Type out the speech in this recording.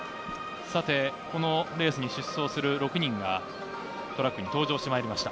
このレースに出走する６人がトラックに登場してまいりました。